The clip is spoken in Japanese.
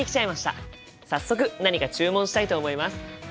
早速何か注文したいと思います。